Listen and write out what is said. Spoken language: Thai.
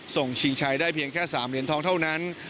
ชิงชัยได้เพียงแค่๓เหรียญทองเท่านั้น